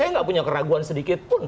saya nggak punya keraguan sedikit pun